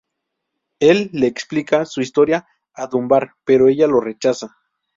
Él le explica su historia a Dunbar, pero ella lo rechaza.